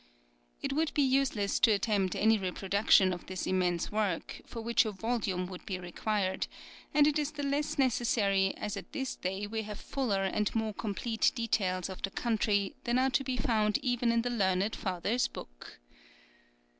It would be useless to attempt any reproduction of this immense work, for which a volume would be required, and it is the less necessary as at this day we have fuller and more complete details of the country than are to be found even in the learned father's book.